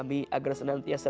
bimbing kami agar senantiasa